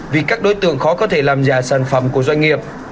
vì các đối tượng khó có thể làm giả sản phẩm của doanh nghiệp